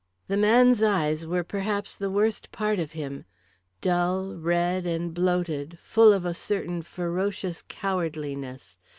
The man's eyes were perhaps the worst part of him dull, red, and bloated, full of a certain ferocious cowardliness.